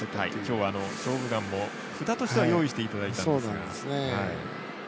今日は「勝負眼」も札としては用意していただいてたんですが。